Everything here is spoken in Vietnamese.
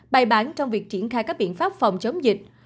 bày bản trong việc triển khai các biện pháp phòng chống dịch